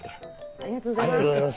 ありがとうございます。